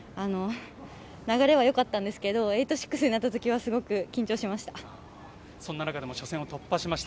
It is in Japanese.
流れは良かったんですけど８−６になった時はすごく緊張しました。